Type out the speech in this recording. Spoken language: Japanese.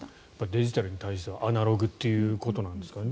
デジタルに対してはアナログということですかね？